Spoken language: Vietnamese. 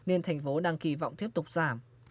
nên thành phố đang kỳ vọng tiếp tục giảm